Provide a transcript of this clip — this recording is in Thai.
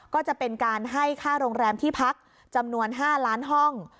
ก็จะเป็นการให้ค่าโรงแรมที่พักจำนวน๕ล้านห้อง